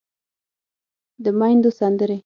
د ميندو سندرې